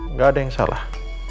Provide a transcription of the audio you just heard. nggak ada yang salah